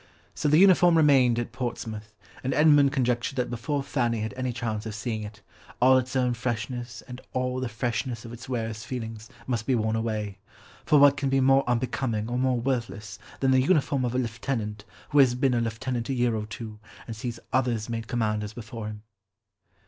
So the uniform remained at Portsmouth, and Edmund conjectured that before Fanny had any chance of seeing it, all its own freshness, and all the freshness of its wearer's feelings must be worn away; for what can be more unbecoming or more worthless than the uniform of a lieutenant who has been a lieutenant a year or two, and sees others made commanders before him."